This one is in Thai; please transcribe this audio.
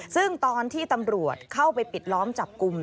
ซึ่งตอนที่ตำรวจเข้าไปปิดล้อมจับกลุ่ม